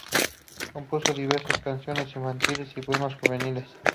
Compuso diversas canciones infantiles y poemas juveniles.